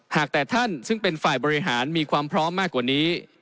หากแต่ท่านซึ่งเป็นฝ่ายบริหารมีความพร้อมมากกว่านี้